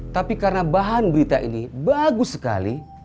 tapi karena bahan berita ini bagus sekali